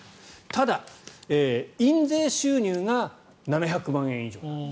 ただ、印税収入が７００万円以上。